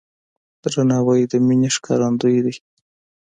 درناوی د مینې ښکارندوی دی.